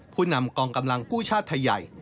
ผู้นำกองกำลังกู้ชาติไทยใหญ่